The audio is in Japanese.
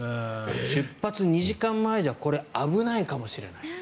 出発２時間前じゃこれ危ないかもしれない。